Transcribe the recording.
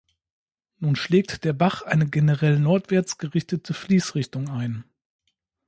Nun schlägt der Bach eine generell nordwärts gerichtete Fließrichtung ein.